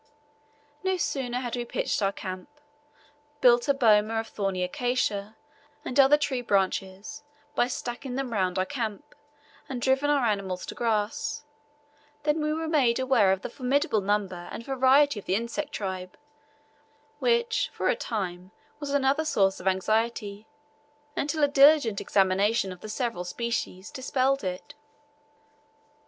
No sooner had we pitched our camp, built a boma of thorny acacia, and other tree branches, by stacking them round our camp, and driven our animals to grass; than we were made aware of the formidable number and variety of the insect tribe, which for a time was another source of anxiety, until a diligent examination of the several species dispelled it.